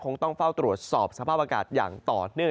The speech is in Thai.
ต้องเฝ้าตรวจสอบสภาพอากาศอย่างต่อเนื่อง